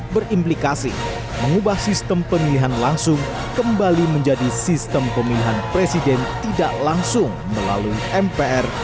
berimplikasi mengubah sistem pemilihan langsung kembali menjadi sistem pemilihan presiden tidak langsung melalui mpr